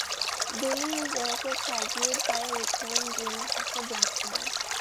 Billy is also plagued by a recurring dream of a black bird.